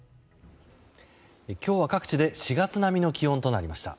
今日は各地で４月並みの気温となりました。